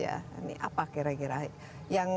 apa kira kira yang